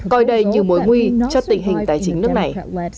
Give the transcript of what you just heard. coi đây như mối nguy cho tình hình tài chính nước này